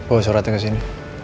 oh suratnya kesini